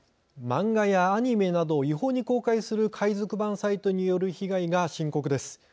漫画やアニメなどを違法に公開する海賊版サイトによる被害が深刻です。